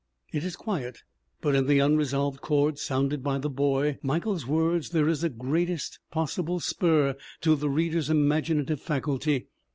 It is quiet but in the unresolved chord sounded by the boy Michael's words there is the greatest possible spur to the reader's imaginative faculty.